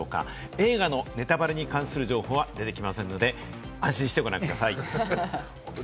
映画のネタバレに関する情報は出てきませんので、安心してご覧ください。